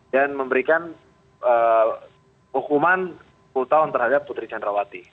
dan memberikan hukuman sepuluh tahun terhadap putri candawati